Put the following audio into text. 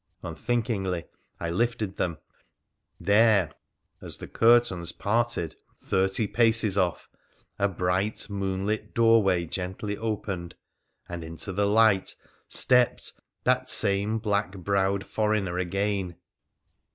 Unthinkingly I lifted them, and there — there, as the curtains parted — thirty paces off, a bright moon lit doorway gently opened, and into the light stepped that same black browed foreigner again